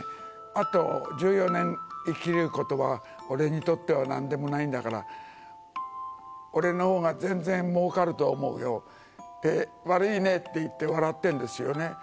あと１４年生きることは、俺にとってはなんでもないんだから、俺のほうが全然もうかると思うよって、悪いねって言って笑ってるんですよね。